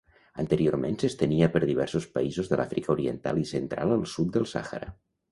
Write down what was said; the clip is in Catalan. Anteriorment s'estenia per diversos països de l'Àfrica oriental i central al sud del Sàhara.